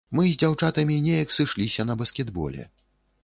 Мы з дзяўчатамі неяк сышліся на баскетболе.